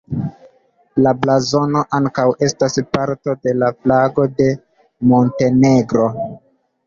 La blazono ankaŭ estas parto de la flago de Montenegro.